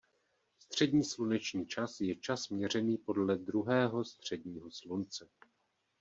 Střední sluneční čas je čas měřený podle druhého středního slunce.